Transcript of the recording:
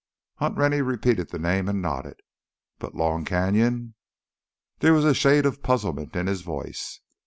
Hunt Rennie repeated the name and nodded. "But ... Long Canyon ..." There was a shade of puzzlement in his voice.